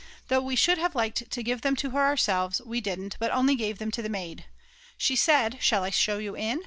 Though we should have liked to give them to her ourselves, we didn't, but only gave them to the maid. She said: Shall I show you in?